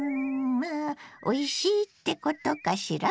まあおいしいってことかしら？